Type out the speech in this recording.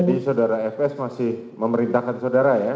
jadi saudara fs masih memerintahkan saudara ya